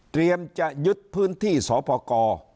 เตรียมจะยึดพื้นที่สพก